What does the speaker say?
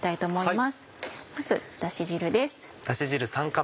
まずだし汁です。